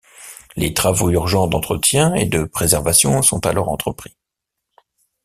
Les travaux urgents d'entretien et de préservation sont alors entrepris.